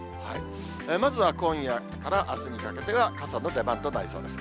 まずは今夜からあすにかけては傘の出番となりそうです。